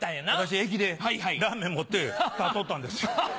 私駅でラーメン持って立っとったんですよ。